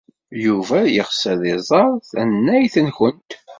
Yuba yeɣs ad iẓer tannayt-nwent.